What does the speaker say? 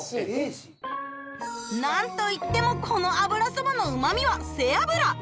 何といってもこの油そばのうま味は背脂！